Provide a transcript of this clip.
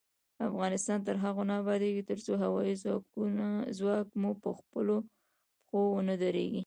افغانستان تر هغو نه ابادیږي، ترڅو هوايي ځواک مو پخپلو پښو ونه دریږي.